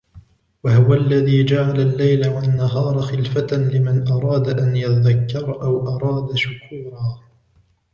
وَهُوَ الَّذِي جَعَلَ اللَّيْلَ وَالنَّهَارَ خِلْفَةً لِمَنْ أَرَادَ أَنْ يَذَّكَّرَ أَوْ أَرَادَ شُكُورًا